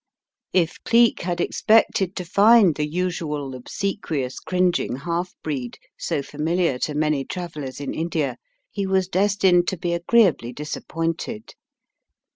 If Cleek had expected to find the usual obsequious, cringing half breed, so f amilar to many travellers in India, he was destined to be agreeably disappointed.